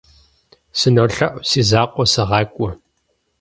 СынолъэӀу, си закъуэ сыгъакӀуэ.